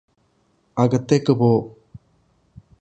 അകത്തേക്ക് പോ